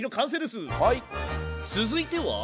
続いては？